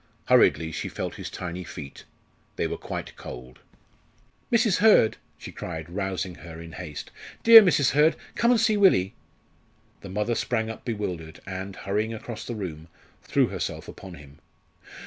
Hurriedly she felt his tiny feet. They were quite cold. "Mrs. Hurd!" she cried, rousing her in haste; "dear Mrs. Hurd, come and see Willie!" The mother sprang up bewildered, and, hurrying across the room, threw herself upon him.